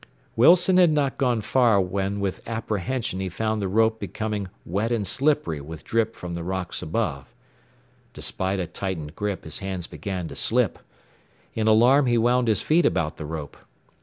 Wilson had not gone far when with apprehension he found the rope becoming wet and slippery with drip from the rocks above. Despite a tightened grip his hands began to slip. In alarm he wound his feet about the rope.